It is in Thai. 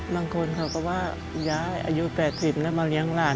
บางคนเขาก็ว่าย้ายอายุ๘๐แล้วมาเลี้ยงหลาน